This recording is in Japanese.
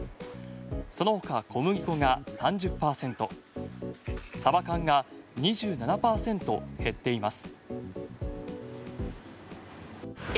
そのほか、小麦粉が３０％サバ缶が２７％減っています。